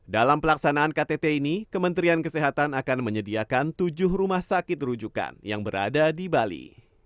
dalam pelaksanaan ktt ini kementerian kesehatan akan menyediakan tujuh rumah sakit rujukan yang berada di bali